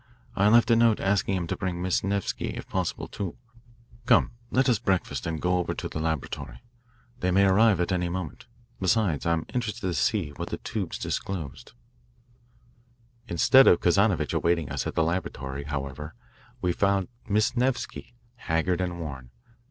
I left a note asking him to bring Miss Nevsky, if possible, too. Come, let us breakfast and go over to the laboratory. They may arrive at any moment. Besides, I'm interested to see what the tubes disclose." Instead of Kazanovitch awaiting us at the laboratory, however, we found Miss Nevsky, haggard and worn.